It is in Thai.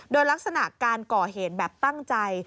โดยลักษณะการก่อเหตุแบบตั้งใจ